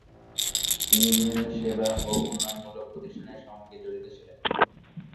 তিনি বিভিন্ন সেবা ও উন্নয়ন মূলক প্রতিষ্ঠানের সঙ্গে জড়িত ছিলেন।